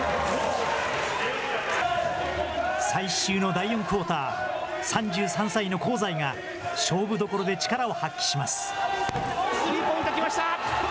最終の第４クオーター、３３歳の香西が、勝負どころで力を発揮しスリーポイント、きました。